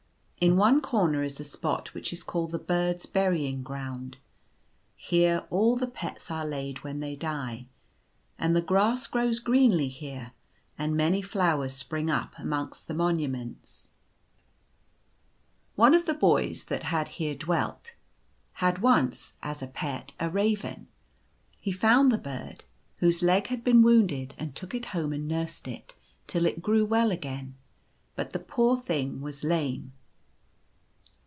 In one corner is a spot which is called the Birds' Burying Ground. Here all the pets are laid when they die; and the grass grows greenly here, and many flowers spring up among the monuments. 102 Mr. Daw. One of the boys that had here dwelt had once, as a pet, a raven. He found the bird, whose leg had been wounded, and took it home and nursed it till it grew well again ; but the poor thing was lame.